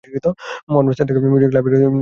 অন্য সেট থাকে মিউজিক লাইব্রেরির ড্রইয়ারে।